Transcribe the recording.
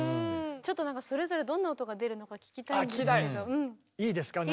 ちょっとそれぞれどんな音が出るのか聴きたいんですけど。